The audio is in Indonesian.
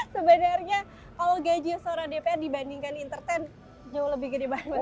sebenarnya kalau gaji seorang dpr dibandingkan entertain jauh lebih gede banget